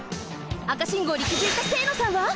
赤信号にきづいた清野さんは！？